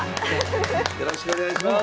よろしくお願いします。